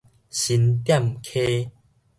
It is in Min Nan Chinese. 新店溪